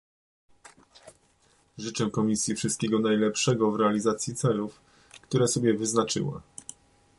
Życzę Komisji wszystkiego najlepszego w realizacji celów, które sobie wyznaczyła